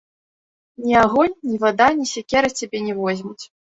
Ні агонь, ні вада, ні сякера цябе не возьмуць.